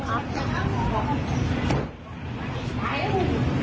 มันไม่ใช่เรื่องของคุณคุณไม่มีสิทธิ์ทำร้ายคนอื่น